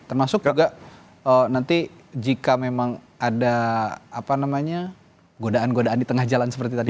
termasuk juga nanti jika memang ada godaan godaan di tengah jalan seperti tadi